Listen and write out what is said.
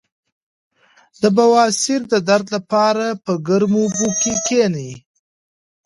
د بواسیر د درد لپاره په ګرمو اوبو کینئ